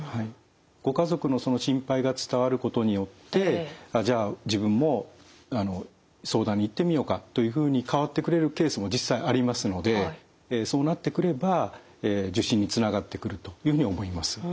ご家族のその心配が伝わることによって「じゃあ自分も相談に行ってみようか」というふうに変わってくれるケースも実際ありますのでそうなってくれば受診につながってくるというふうに思います。